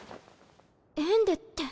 エンデって。